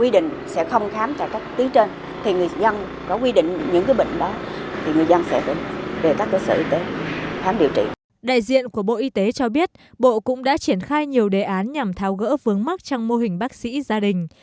đại diện của bộ y tế cho biết bộ cũng đã triển khai nhiều đề án nhằm tháo gỡ vướng mắc trong mô hình bác sĩ gia đình